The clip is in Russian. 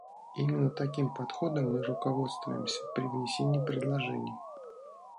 Именно таким подходом мы руководствуемся при внесении предложений.